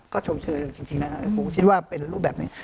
ก็ชมเชยจริงนะครับคงคิดว่าเป็นรูปแบบนี้